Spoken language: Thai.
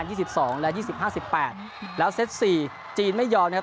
ี่สิบสองและยี่สิบห้าสิบแปดแล้วเซตสี่จีนไม่ยอมนะครับ